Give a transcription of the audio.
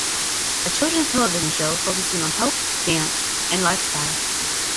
A children's television show focusing on health, dance and lifestyle.